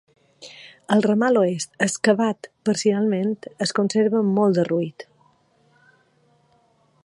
El ramal oest, excavat parcialment, es conserva molt derruït.